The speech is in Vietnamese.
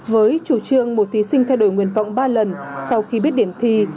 với chủ trường một thí sinh thay đổi nguyên vọng ba lần sau khi biết điểm thi